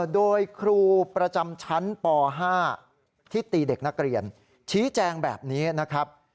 โดยครูประจำชั้นป๕ที่ตีเด็กนักเรียนชี้แจงแบบนี้นะครับ